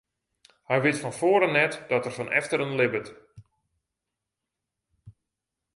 Hy wit fan foaren net dat er fan efteren libbet.